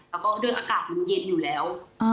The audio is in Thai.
แล้วก็ด้วยอากาศมันเย็นอยู่แล้ว